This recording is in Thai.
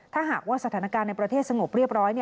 ถ้าหากว่าสถานการณ์ในประเทศสงบเรียบร้อย